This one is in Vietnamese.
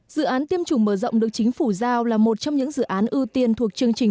dự án tiêm chủng mở rộng được chính phủ giao là một trong những dự án ưu tiên thuộc chương trình